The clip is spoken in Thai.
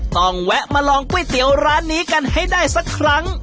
แวะมาลองก๋วยเตี๋ยวร้านนี้กันให้ได้สักครั้ง